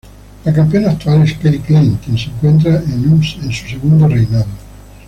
La campeona actual es Kelly Klein, quien se encuentra en su segundo reinado.